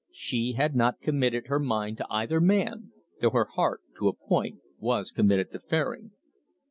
She had not committed her mind to either man, though her heart, to a point, was committed to Fairing.